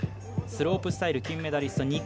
スロープスタイル金メダリスト。